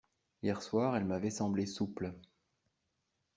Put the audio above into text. Hier soir, elles m’avaient semblé souples.